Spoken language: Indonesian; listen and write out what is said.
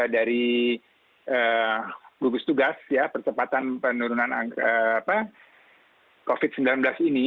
dari gugus tugas ya percepatan penurunan covid sembilan belas ini